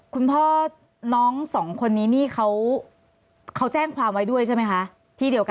คุณพ่อน้องสองคนนี้นี่เขาแจ้งความไว้ด้วยใช่ไหมคะที่เดียวกัน